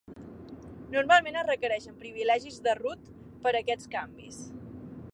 Normalment es requereixen privilegis de root per a aquests canvis.